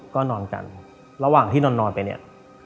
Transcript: ก็นอนกันระหว่างที่นอนไปเนี่ย